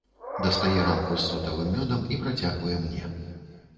Дастае рамку з сотавым мёдам і працягвае мне.